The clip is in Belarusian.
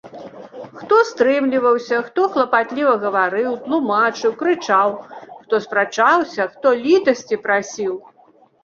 Хто стрымліваўся, хто клапатліва гаварыў, тлумачыў, крычаў, хто спрачаўся, хто літасці прасіў.